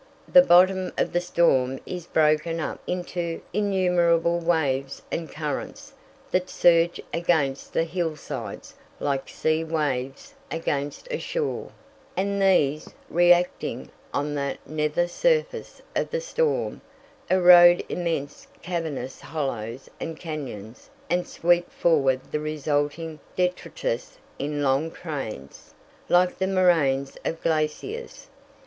The bottom of the storm is broken up into innumerable waves and currents that surge against the hillsides like sea waves against a shore, and these, reacting on the nether surface of the storm, erode immense cavernous hollows and cañons, and sweep forward the resulting detritus in long trains, like the moraines of glaciers.